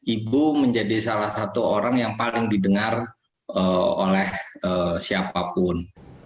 ibu menjadi salah satu orang yang paling didengar oleh siapapun